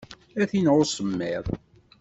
Ad t-ineɣ usemmiḍ.